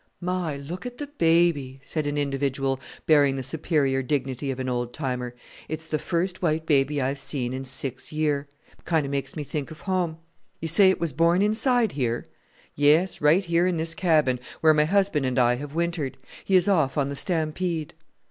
"My! look at the baby," said an individual bearing the superior dignity of an old timer; "it's the first white baby I've seen in six year; kind of makes me think of home. You say it was born inside here?" "Yes, right here in this cabin, where my husband and I have wintered. He is off on the stampede."